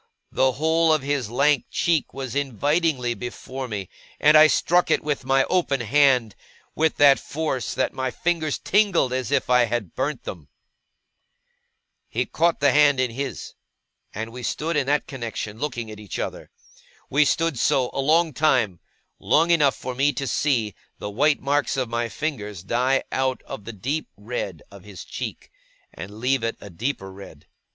The whole of his lank cheek was invitingly before me, and I struck it with my open hand with that force that my fingers tingled as if I had burnt them. He caught the hand in his, and we stood in that connexion, looking at each other. We stood so, a long time; long enough for me to see the white marks of my fingers die out of the deep red of his cheek, and leave it a deeper red.